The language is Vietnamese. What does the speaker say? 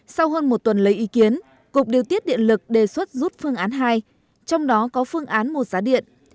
sau hơn một tuần lấy ý kiến cục điều tiết điện lực đề xuất rút phương án hai trong đó có phương án một giá điện